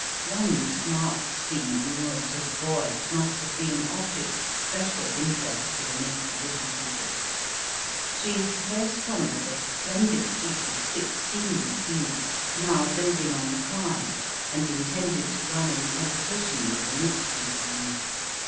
One smart steamer moored to the buoy must have been an object of special interest to the Mitsu Bishi people. She is the first comer of a splendid fleet of sixteen steamers now build Digitized by VjOOQIC 184 EAST BY WEST, ing on the Clyde, and intended to run in competition with the Mitsu line.